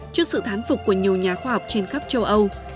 trước sự thán phục của nhiều nhà khoa học trên khắp châu âu